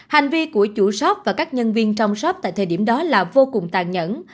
hành vi của chủ shop và các nhân viên trong shop tại thời điểm đó là vô cùng tàn nhẫn